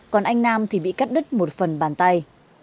còn anh nam thì bị cắt đứt một phần bàn tay